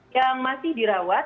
yang masih dirawat